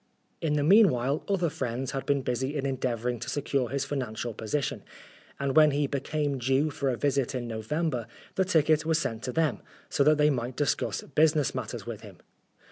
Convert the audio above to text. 206 Oscar Wilde In the meanwhile, other friends had been busy in endeavouring to secure his financial position, and when he "became due" for a visit in November, the ticket was sent to them, so that they might discuss business matters with him..